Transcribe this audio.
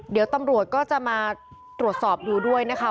เดี๋ยวตำรวจก็จะมาตรวจสอบดูด้วยนะคะ